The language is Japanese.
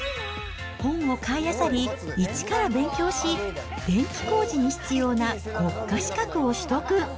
本を買いあさり、一から勉強し、電気工事に必要な国家資格を取得。